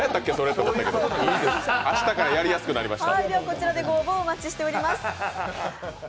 明日からやりやすくなりました。